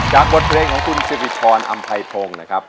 บทเพลงของคุณสิริพรอำไพพงศ์นะครับ